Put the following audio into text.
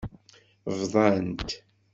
Bḍant.